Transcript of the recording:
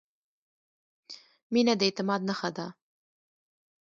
• مینه د اعتماد نښه ده.